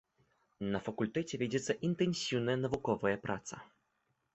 На факультэце вядзецца інтэнсіўная навуковая праца.